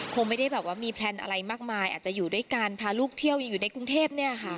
คงไม่ได้แบบว่ามีแพลนอะไรมากมายอาจจะอยู่ด้วยกันพาลูกเที่ยวอยู่ในกรุงเทพเนี่ยค่ะ